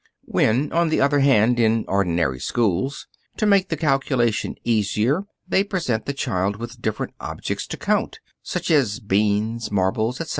When, on the other hand, in ordinary schools, to make the calculation easier, they present the child with different objects to count, such as beans, marbles, etc.